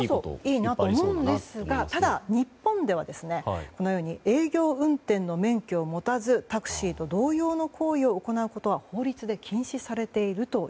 いいなと思うんですがただ、日本ではこのように営業運転の免許を持たずタクシーと同様の行為を行うことは法律で禁止されていると。